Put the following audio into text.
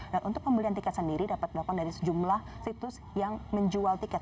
dan untuk pembelian tiket sendiri dapat dilakukan dari sejumlah situs yang menjual tiket